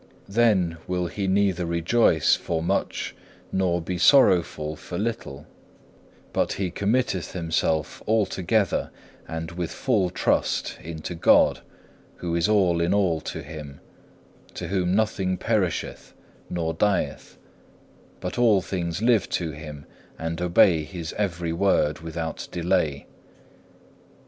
Then will he neither rejoice for much nor be sorrowful for little, but he committeth himself altogether and with full trust unto God, who is all in all to him, to whom nothing perisheth nor dieth, but all things live to Him and obey His every word without delay.